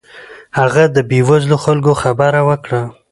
هغه د بې وزلو خلکو خبره وکړه.